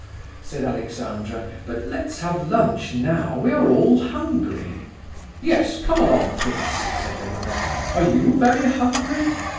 said Alexandra. "But let's have lunch now, we are all hungry!" "Yes; come along, prince," said the mother, "are you very hungry?"